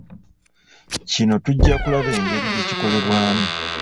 Kino tujja kulaba engeri gyekikolebwamu.